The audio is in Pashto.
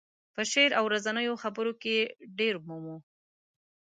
په شعر او ورځنیو خبرو کې یې ډېر مومو.